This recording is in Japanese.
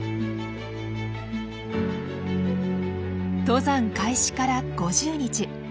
登山開始から５０日。